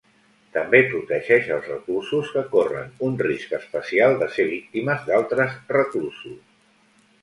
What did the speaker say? També protegeix als reclusos que corren un risc especial de ser víctimes d'altres reclusos.